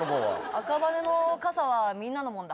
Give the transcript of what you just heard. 赤羽の傘はみんなのもんだ。